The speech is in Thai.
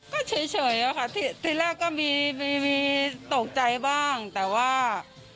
ก็เฉยเฉยอะค่ะทีทีแรกก็มีมีมีตกใจบ้างแต่ว่า